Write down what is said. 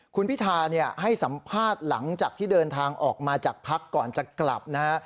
คุณพิธาให้สัมภาษณ์หลังจากที่เดินทางออกมาจากพักก่อนจะกลับนะฮะ